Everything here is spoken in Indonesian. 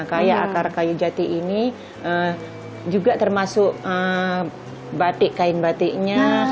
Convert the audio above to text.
kayak akar kayu jati ini juga termasuk batik kain batiknya